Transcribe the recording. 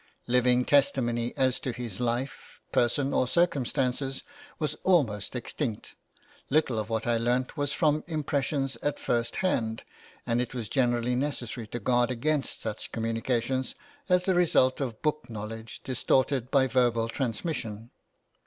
Living testimony as to his life, person, or circumstances was almost extinct, little of what I learnt was from impressions at first hand, and it was generally necessary to guard against such communications as the result of book knowledge distorted by verbal transmission.